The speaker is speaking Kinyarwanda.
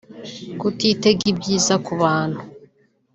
Kutitega ibyiza ku bantu